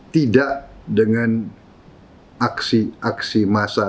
tidak dengan aksi aksi massa